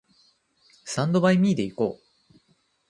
スタンドバイミーで行こう